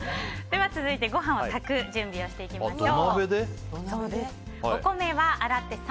続いて、ご飯を炊く準備をしていきましょう。